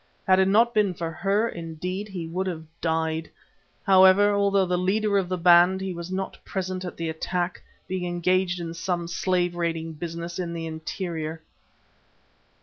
Had it not been for her, indeed, he would have died. However, although the leader of the band, he was not present at the attack, being engaged in some slave raiding business in the interior.